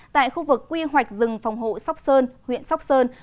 tại khu vực quy hoạch rừng phòng hộ sóc sơn huyện sóc sơn